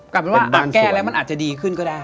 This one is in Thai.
กลายเป็นว่าแก้แล้วมันอาจจะดีขึ้นก็ได้